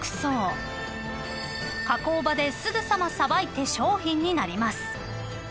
［加工場ですぐさまさばいて商品になります］